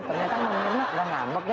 ternyata sama mirna gak ngambek ya